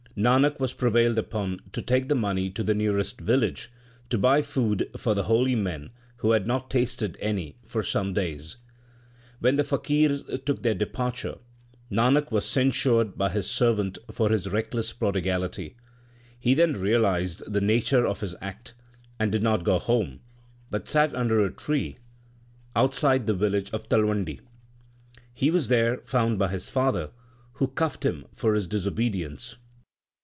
Nanak was prevailed upon to take the money to the nearest village to buy food jfor the holy men, who had not tasted any for some days. When the faqirs took their departure, Nanak was censured by his servant for his reckless prodigality. He then realized the nature of his act, and did not go home, but sat under a tree outside the village of Talwandi. He was there found by his father, who cuffed him for his dis obedience.